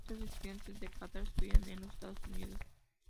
Cientos de estudiantes de Catar estudian en los Estados Unidos.